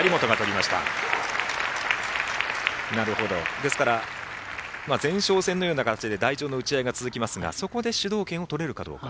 ですから前哨戦のような感じで台上の打ち合いが続きますがそこで主導権が取れるかどうか。